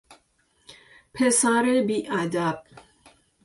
پسر بیادب